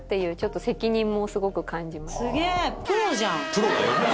プロだよ。